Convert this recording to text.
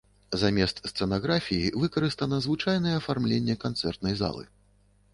Замест сцэнаграфіі выкарыстана звычайнае афармленне канцэртнай залы.